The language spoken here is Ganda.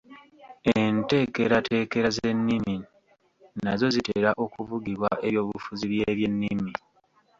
Enteekerateekera z’ennimi nazo zitera okuvugibwa eby’obufuzi by’ebyennimi